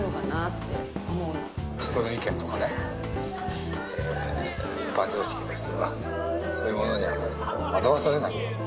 人の意見とかね一般常識ですとかそういうものには惑わされないように。